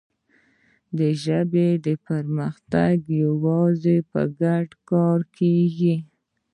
د ژبې پرمختګ یوازې په ګډ کار کېږي.